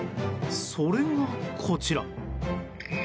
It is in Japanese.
それが、こちら。